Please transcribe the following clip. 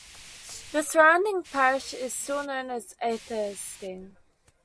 The surrounding Parish is still known as Aithsting.